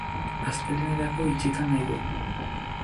Astelehenerako itxita nahi du.